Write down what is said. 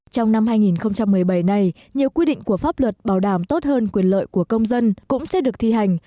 trong năm hai nghìn một mươi bảy này nhiều quy định của pháp luật bảo đảm tốt hơn quyền lợi của công dân cũng sẽ được thi hành